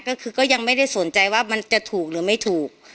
ก็คือก็ยังไม่ได้สนใจว่ามันจะถูกหรือไม่ถูก